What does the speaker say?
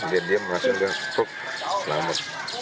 dia diam langsung dia selamat